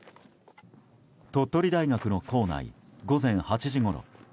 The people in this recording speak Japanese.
鳥取大学の構内、午前８時ごろ。